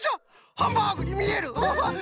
ハンバーグにみえる！